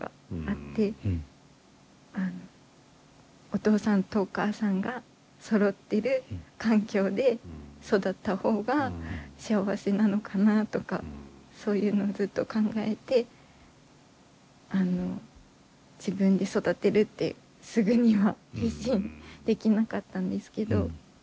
お父さんとお母さんがそろってる環境で育った方が幸せなのかなとかそういうのをずっと考えて自分で育てるってすぐには決心できなかったんですけど。